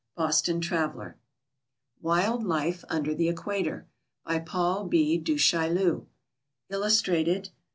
Boston Traveller. Wild Life under the Equator. By PAUL B. DU CHAILLU. Illustrated.